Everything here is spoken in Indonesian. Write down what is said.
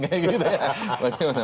kayak gitu ya